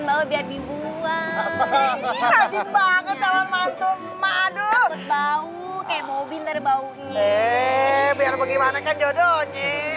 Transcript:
bawa biar dibuang banget sama mantum aduh bau ke mobil terbaunya biar bagaimana kan jodohnya